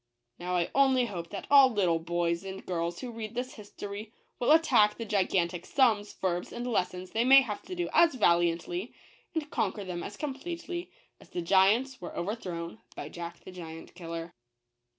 Now I only hope that all little boys and crirls who read this his tory, will attack the gigantic sums, verbs, and lessons they may have to do as valiantly, and conquer them as completely, as the giants were over thrown by Jack the Giant kille R.